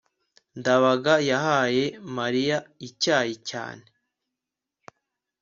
ndabaga yahaye mariya icyayi cyane